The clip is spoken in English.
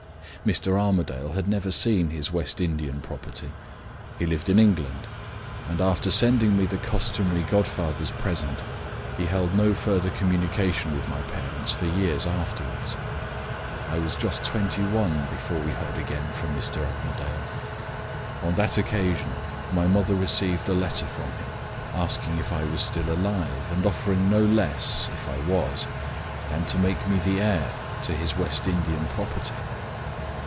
Mr. Armadale had never seen his West Indian property. He lived in England; and, after sending me the customary godfather's present, he held no further communication with my parents for years afterward. I was just twenty one before we heard again from Mr. Armadale. On that occasion my mother received a letter from him asking if I was still alive, and offering no less (if I was) than to make me the heir to his West Indian property.